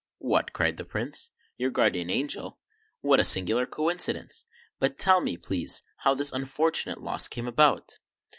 "What," cried the Prince, "your Guardian Angel? What a singular coincidence ! But tell me, please, how this unfortunate loss came about